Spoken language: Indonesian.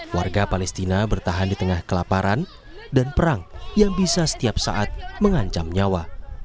warga palestina bertahan di tengah kelaparan dan perang yang bisa setiap saat mengancam nyawa